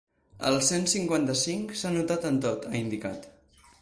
El cent cinquanta-cinc s’ha notat en tot, ha indicat.